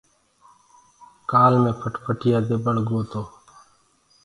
ڪآل مي موٽر سيڪلو دي ٻݪ گو تو۔